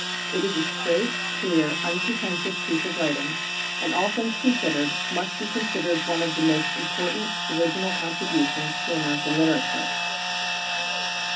It is a straight, clear, unpretentious piece of writing, and, all things considered, must be considered one of the most important original contributions to American literature.